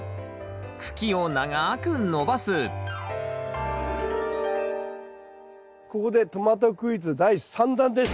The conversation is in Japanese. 茎を長く伸ばすここでトマトクイズ第３弾です。